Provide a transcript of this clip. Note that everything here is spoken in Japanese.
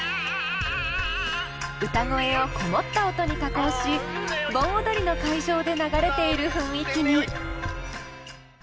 歌声をこもった音に加工し盆踊りの会場で流れている雰囲気に。